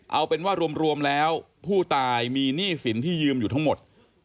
เอาเป็นว่ารวมแล้วผู้ตายมีหนี้สินที่ยืมอยู่ทั้งหมด